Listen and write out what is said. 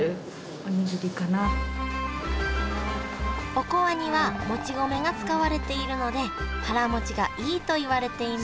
おこわにはもち米が使われているので腹もちがいいといわれています